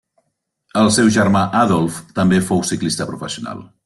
El seu germà Adolf també fou ciclista professional.